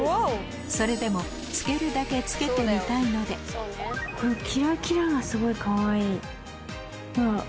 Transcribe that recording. それでも着けるだけ着けてみたいのでこのキラキラがすごいかわいい。